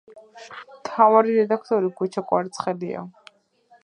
მთავარი რედაქტორი გუჩა კვარაცხელია.